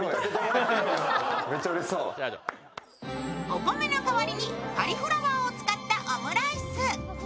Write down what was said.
お米の代わりにカリフラワーを使ったオムライス。